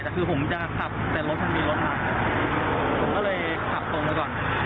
แต่คือผมจะขับแต่รถมันมีรถมาผมก็เลยขับตรงไปก่อน